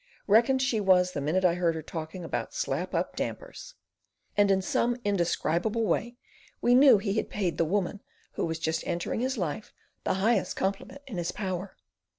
"Reckoned she was the minute I heard her talking about slap up dampers"; and in some indescribable way we knew he had paid the woman who was just entering his life the highest compliment in his power.